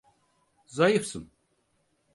Zayıfsın.